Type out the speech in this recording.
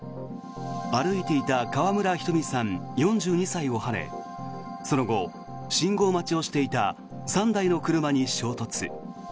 歩いていた川村ひとみさん、４２歳をはねその後、信号待ちをしていた３台の車に衝突。